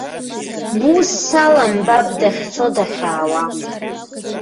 Бусс алам, баб дахьцо, дахьаауа.